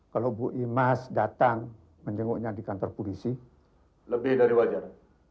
kalau bu imas datang menjenguknya di kantor polisi lebih dari wajar